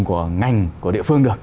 của ngành của địa phương được